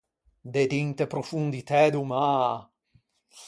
De d’inte profonditæ do mâ.